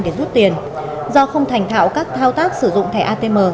để rút tiền do không thành thạo các thao tác sử dụng thẻ atm